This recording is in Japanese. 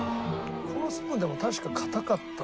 このスプーンでも確か硬かったと思うよ。